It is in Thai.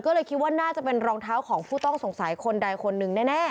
ก็เลยคิดว่าน่าจะเป็นรองเท้าของผู้ต้องสงสัยคนใดคนหนึ่งแน่